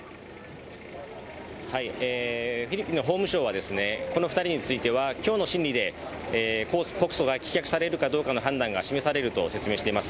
フィリピンの法務省は、この２人については今日の審理で告訴が棄却されるかどうかの判断が示されると説明しています。